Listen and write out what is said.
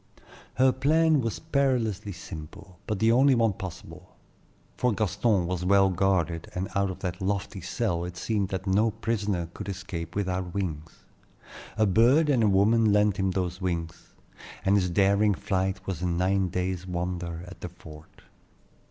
Her plan was perilously simple, but the only one possible; for Gaston was well guarded, and out of that lofty cell it seemed that no prisoner could escape without wings. A bird and a woman lent him those wings, and his daring flight was a nine days' wonder at the fort.